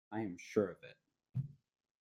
I am sure of it.